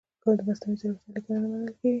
د مصنوعي ځیرکتیا لیکنې نه منل کیږي.